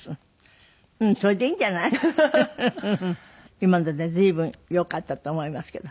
今ので随分よかったと思いますけど。